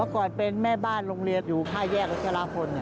เมื่อก่อนเป็นแม่บ้านโรงเรียนอยู่ข้าแยกกับศาลาคน